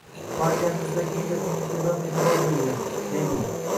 “Partiyamizda gender tenglikka doimo e’tibor berilgan”, — deydi u